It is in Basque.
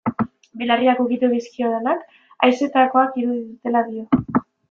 Belarriak ukitu dizkionak, haizetakoak irudi dutela dio.